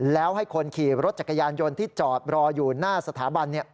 แล้วให้คนขี่รถจักรยานยนต์ที่จอดรออยู่หน้าสถาบัน